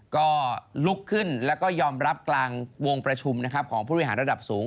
ก็ลุกขึ้นแล้วก็ยอมรับกลางวงประชุมของผู้บริหารระดับสูง